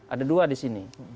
ada dua di sini